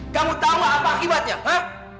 kamu tahu apa akibatnya mak